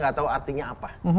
gak tau artinya apa